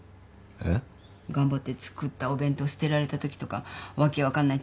えっ？頑張って作ったお弁当捨てられたときとか訳分かんない